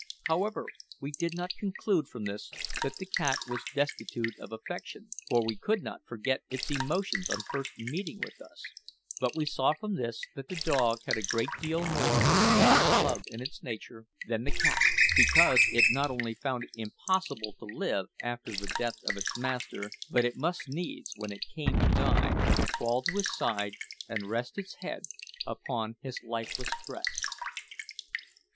However, we did not conclude from this that the cat was destitute of affection, for we could not forget its emotions on first meeting with us; but we saw from this that the dog had a great deal more of generous love in its nature than the cat, because it not only found it impossible to live after the death of its master, but it must needs, when it came to die, crawl to his side and rest its head upon his lifeless breast.